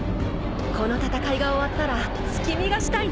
この戦いが終わったら月見がしたいね。